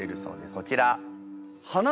こちら。